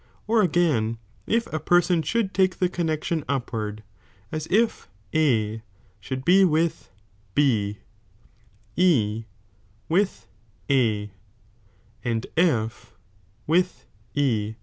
Or if a person should take the connexion upward, as if A should be with B, E with A, and F with E.